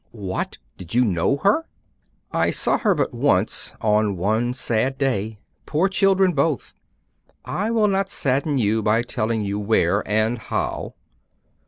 'What! did you know her?' 'I saw her but once on one sad day. Poor children both! I will not sadden you by telling you where and how.